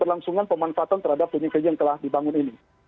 dan juga bagaimana kita memanfaatkan terhadap dunia kerja yang telah dibangun ini